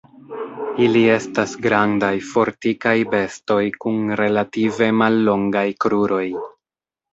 Ili estas grandaj, fortikaj bestoj kun relative mallongaj kruroj.